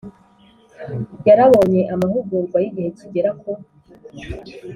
yarabonye amahugurwa y igihe kigera ku